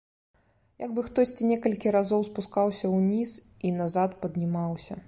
Як бы хтосьці некалькі разоў спускаўся ўніз і назад паднімаўся.